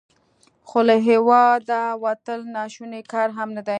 خو له هیواده وتل ناشوني کار هم نه دی.